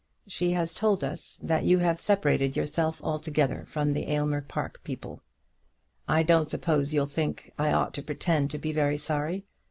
She has told us that you have separated yourself altogether from the Aylmer Park people. I don't suppose you'll think I ought to pretend to be very sorry.